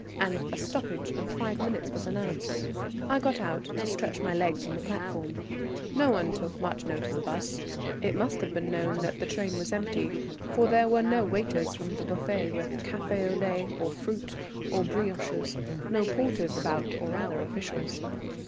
and a stoppage of five minutes was announced. I got out to stretch my legs on the platform. No one took much notice of us; it must have been known that the train was empty, for there were no waiters from the buffet with café au lait or fruit, or brioches no porters about, or other officials.